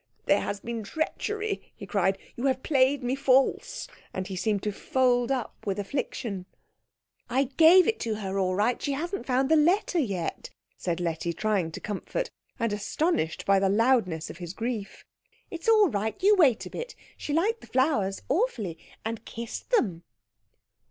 "There has been treachery," he cried; "you have played me false." And he seemed to fold up with affliction. "I gave it to her all right. She hasn't found the letter yet," said Letty, trying to comfort, and astonished by the loudness of his grief. "It's all right you wait a bit. She liked the flowers awfully, and kissed them."